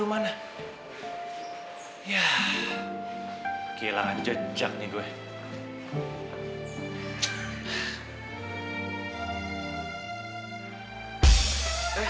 emang pengen posisi jenadah